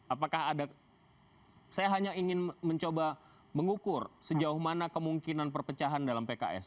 apakah ada saya hanya ingin mencoba mengukur sejauh mana kemungkinan perpecahan dalam pks